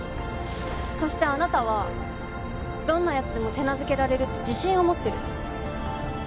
そしてあなたはどんな奴でも手なずけられるって自信を持ってる。